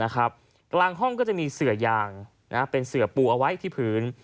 กลางห้องก็จะมีเสือยางเป็นเสือปูเอาไว้ที่พื้น